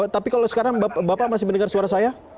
tapi kalau sekarang bapak masih mendengar suara saya